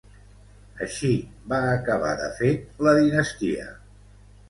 Així va acabar de fet la dinastia.